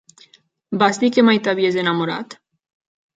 Vas dir que mai t'havies enamorat?